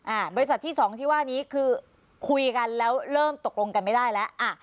บริษัทที่สองที่ว่านี้คือคุยกันแล้วเริ่มตกลงกันไม่ได้แล้วอ่ะ